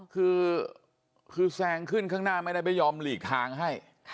คือแซงขึ้นข้างหน้าไม่ได้ไม่ยอมหลีกทางให้